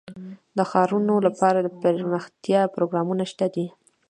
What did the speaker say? د ښارونو لپاره دپرمختیا پروګرامونه شته دي.